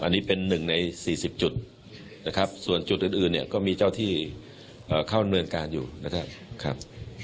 อันนี้เป็นหนึ่งใน๔๐จุดส่วนจุดอื่นก็มีเจ้าที่เข้าเมืองการยูนะครับ